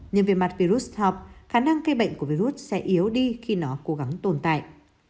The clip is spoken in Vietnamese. nhưng về mặt virus học khả năng cây bệnh của virus sẽ yếu đi khi nó cố gắng tồn tại